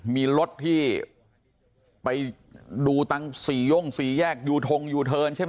มีรถที่ไปดูตังสี่ย่งสี่แยกยูทงยูเทิร์นใช่ไหม